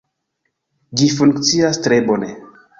Ĝi funkcias tre bone